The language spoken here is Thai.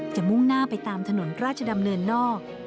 มุ่งหน้าไปตามถนนราชดำเนินนอก